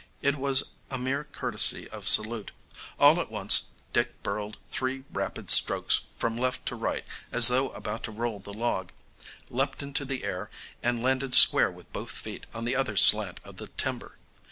It was a mere courtesy of salute. All at once Dick birled three rapid strokes from left to right as though about to roll the log, leaped into the air and landed square with both feet on the other slant of the timber.